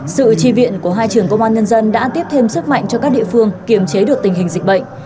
sự tri viện của hai trường công an nhân dân đã tiếp thêm sức mạnh cho các địa phương kiềm chế được tình hình dịch bệnh